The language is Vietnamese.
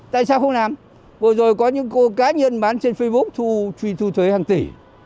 tại sao không làm vừa rồi có những cá nhân bán trên facebook thu thuế hàng tỷ